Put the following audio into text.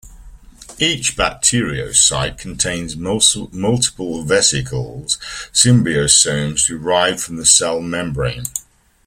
Each bacteriocyte contains multiple vesicles, symbiosomes derived from the cell membrane.